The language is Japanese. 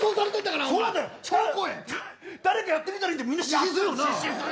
誰かやってみたらいいよみんな失神するよ。